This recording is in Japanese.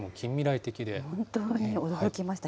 本当に、驚きました。